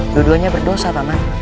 dua duanya berdosa paman